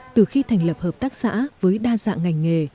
từ khi thành lập hợp tác xã với đa dạng ngành nghề